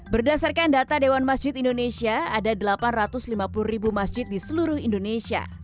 berdasarkan data dewan masjid indonesia ada delapan ratus lima puluh ribu masjid di seluruh indonesia